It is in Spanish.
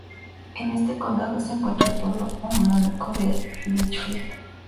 En este condado se encuentra el pueblo homónimo de Litchfield.